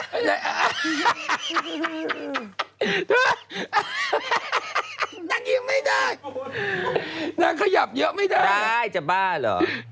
ด้วยนักอิ่มไม่ได้นักขยับเยอะไม่ได้ได้จะบ้าเหรอ